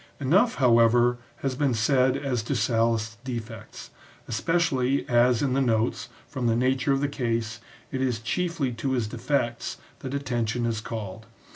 Enough, how ever, has been said as to Sallust's defects, especially as in the notes, from the nature of the case, it is chiefly to his defects that attention is called.